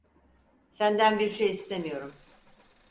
Senden bir şey istemiyorum.